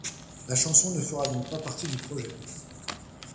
La chanson ne fera donc pas partie du projet.